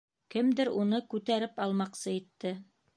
Кемдер уны күтәреп алмаҡсы итте: